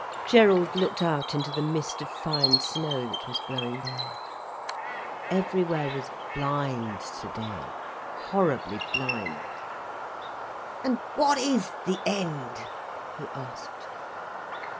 Gerald looked out into the mist of fine snow that was blowing by. Everywhere was blind today, horribly blind. "And what is the end?" he asked.